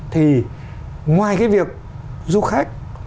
thì ngoài cái việc du khách